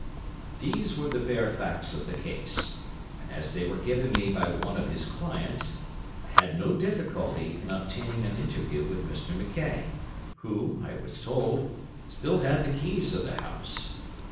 These were the bare facts of the case, and as they were given me by one of his clients, I had no difficulty in obtaining an interview with Mr. McKaye, who, I was told, still had the keys of the house.